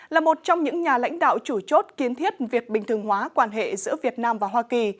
là một trong những nhà lãnh đạo chủ chốt kiến thiết việc bình thường hóa quan hệ giữa việt nam và hoa kỳ